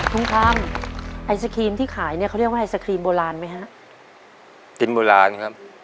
คำไอศครีมที่ขายเนี่ยเขาเรียกว่าไอศครีมโบราณไหมฮะกินโบราณครับ